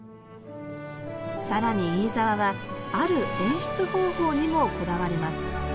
更に飯沢はある演出方法にもこだわります。